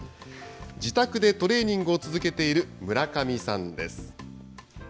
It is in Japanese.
自宅でトレーニングを続けている村上さんです。